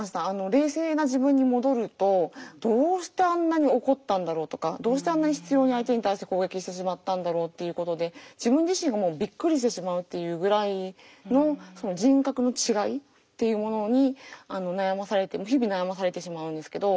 冷静な自分に戻るとどうしてあんなに怒ったんだろうとかどうしてあんなに執ように相手に対して攻撃してしまったんだろうっていうことで自分自身もびっくりしてしまうっていうぐらいの人格の違いっていうものに悩まされて日々悩まされてしまうんですけど。